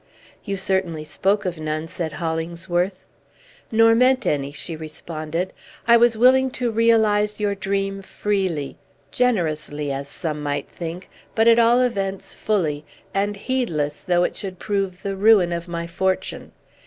"You certainly spoke of none," said Hollingsworth. "Nor meant any," she responded. "I was willing to realize your dream freely, generously, as some might think, but, at all events, fully, and heedless though it should prove the ruin of my fortune.